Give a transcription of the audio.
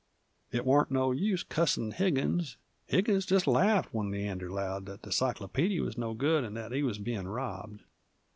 It warn't no use cussin' Higgins; Higgins just laffed when Leander allowed that the cyclopeedy was no good 'nd that he wuz bein' robbed.